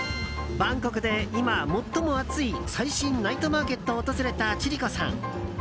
バンコクで今、最も熱い最新ナイトマーケットを訪れた千里子さん。